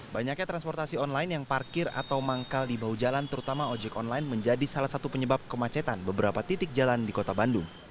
banyaknya transportasi online yang parkir atau manggal di bahu jalan terutama ojek online menjadi salah satu penyebab kemacetan beberapa titik jalan di kota bandung